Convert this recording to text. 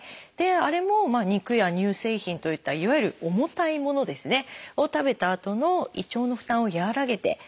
あれも肉や乳製品といったいわゆる重たいものを食べたあとの胃腸の負担を和らげてくれる。